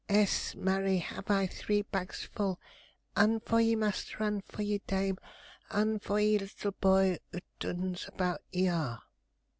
Ess, marry, have I, three bags full; Un for ye master, un for ye dame, Un for ye 'ittle boy 'ot 'uns about ye 'are.'